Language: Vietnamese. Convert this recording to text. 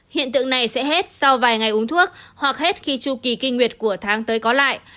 hiện tượng này sẽ hết sau vài ngày uống thuốc hoặc hết khi chu kỳ kinh nguyệt của tháng tới có lại